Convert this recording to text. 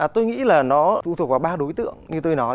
tôi nghĩ là nó phụ thuộc vào ba đối tượng như tôi nói